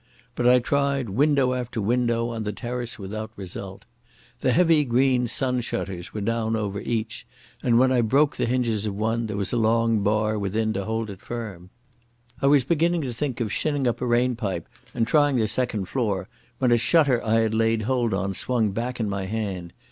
But I tried window after window on the terrace without result. The heavy green sun shutters were down over each, and when I broke the hinges of one there was a long bar within to hold it firm. I was beginning to think of shinning up a rain pipe and trying the second floor, when a shutter I had laid hold on swung back in my hand.